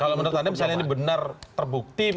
kalau menurut anda misalnya ini benar terbukti